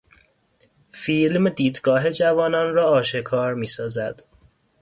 فیلم دیدگاه جوانان را آشکار میسازد.